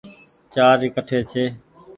چآرج ڪٺي ڇي ۔